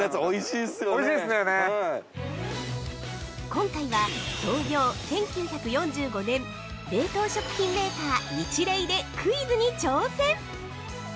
◆今回は、創業１９４５年冷凍食品メーカーニチレイでクイズに挑戦！